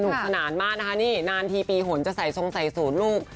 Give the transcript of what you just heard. สนานมากนะคะนี่นานทีปีหนจะใส่ทรงใส่สูตรลูก